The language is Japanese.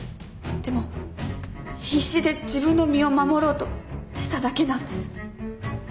でも必死で自分の身を守ろうとしただけなんです。